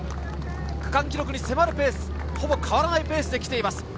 区間記録に迫るペース、ほぼ変わらないペースで来ています。